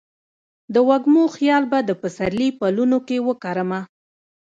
د وږمو خیال به د سپرلي پلونو کې وکرمه